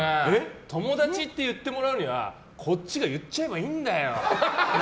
友達って言ってもらうにはこっちが言っちゃえばいいんだよ。